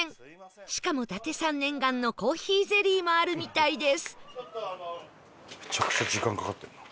しかも伊達さん念願のコーヒーゼリーもあるみたいです